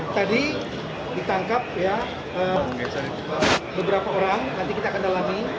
tadi ditangkap ya beberapa orang nanti kita akan dalami